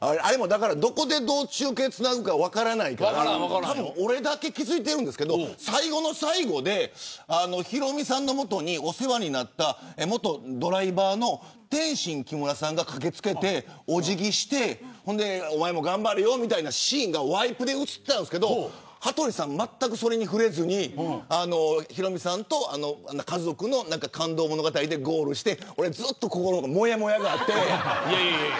どこでどう中継をつなぐか分からないから多分俺だけ気付いてるんですけど最後の最後でヒロミさんの元にお世話になった元ドライバーの天津木村さんが駆け付けてお辞儀して、おまえも頑張れよみたいなシーンがワイプで映ってたんですけど羽鳥さんはまったくそれに触れずにヒロミさんと家族の感動物語でゴールして心の中に、もやもやがあって。